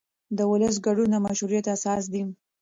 د ولس ګډون د مشروعیت اساس دی